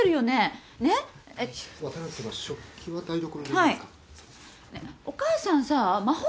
ねぇお母さんさぁ